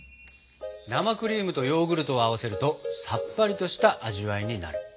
生クリームとヨーグルトを合わせるとさっぱりとした味わいになる。